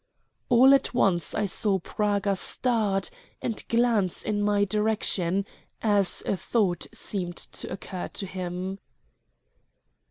All at once I saw Praga start and glance in my direction, as a thought seemed to occur to him.